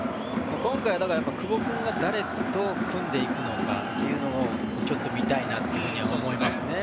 今回は久保君が誰と組んでいくのかというのをちょっと見たいなと思いますね。